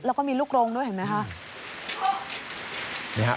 แล้วก็มีลูกโรงด้วยเห็นไหมคะ